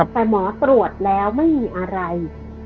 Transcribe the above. แต่หมอตรวจแล้วไม่มีอะไร